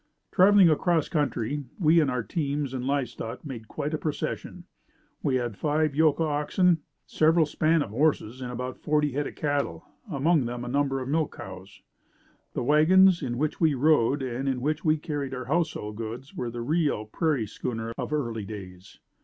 Traveling across country, we and our teams and live stock made quite a procession. We had five yoke of oxen, several span of horses, and about forty head of cattle, among them a number of milch cows. The wagons, in which we rode and in which we carried our household goods were the real "prairie schooner" of early days.